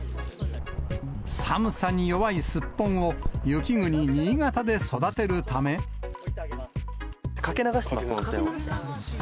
寒さに弱いスッポンを、雪国、かけ流してます、温泉を。